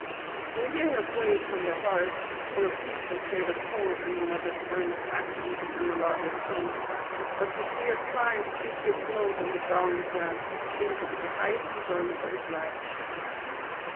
To hear her play upon the harp, or repeat some favourite poem in her mother's earnest accents and melodious tones, or to see her pliant figure float in the garland dance, seemed to be the highest enjoyment of his life.